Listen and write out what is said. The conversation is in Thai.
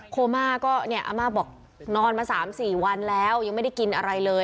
โคม่าก็เนี่ยอาม่าบอกนอนมา๓๔วันแล้วยังไม่ได้กินอะไรเลย